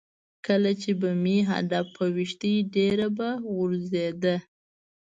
کله چې به مې هدف په ویشتی ډېره به غورځېده.